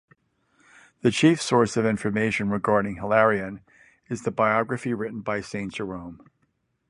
The chief source of information regarding Hilarion is the biography written by Saint Jerome.